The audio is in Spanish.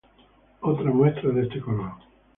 Otra muestra de este colorː